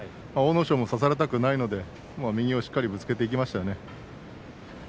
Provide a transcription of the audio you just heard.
阿武咲も差されたくないので右をしっかりとぶつけていきましたよね。